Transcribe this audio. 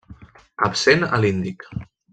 Absent a l'Índic.